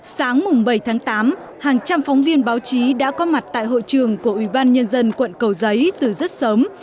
sáng bảy tám hàng trăm phóng viên báo chí đã có mặt tại hội trường của ubnd quận cầu giấy từ rất sớm